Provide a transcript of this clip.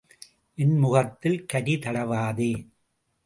என் முகத்தில் கரி தடவாதே.